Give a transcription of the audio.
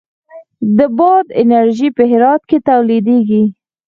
د باد انرژي په هرات کې تولیدیږي